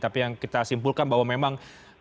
tapi yang kita simpulkan bahwa memang